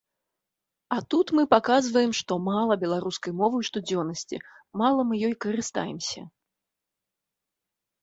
А тут мы паказваем, што мала беларускай мовы ў штодзённасці, мала мы ёй карыстаемся.